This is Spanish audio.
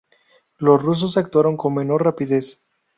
Los rusos actuaron con menos rapidez.